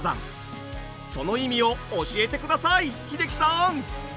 その意味を教えてください英樹さん。